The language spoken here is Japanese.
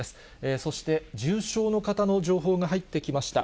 そして重症の方の情報が入ってきました。